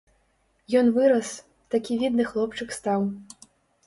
Ён вырас, такі відны хлопчык стаў.